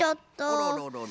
あらららら。